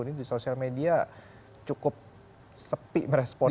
ini di sosial media cukup sepi merespon